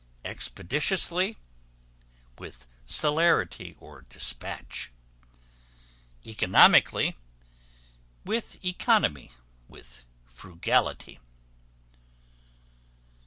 Expeditiously, with celerity or dispatch. Economically, with economy; with frugality.